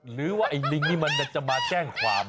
หรือว่าไอ้ลิงนี่มันจะมาแจ้งความ